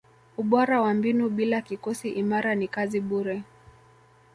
ubora wa mbinu bila kikosi imara ni kazi bure